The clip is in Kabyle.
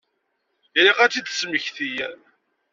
Ilaq ad tt-id-tesmekti.